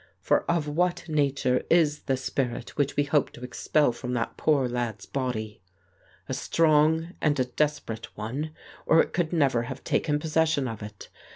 For of what nature is the spirit which we hope to expel from that poor lad's body? A strong and a desperate one, or it could never have taken possession of it.